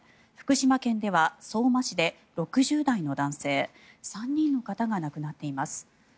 福島県では相馬市で６０代の男性３人の方が亡くなっています。